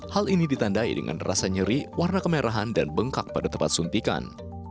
hal ini ditandai dengan rasa nyeri warna kemerahan dan bengkak pada tempat suntikan